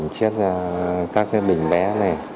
chết ra các cái bình bé này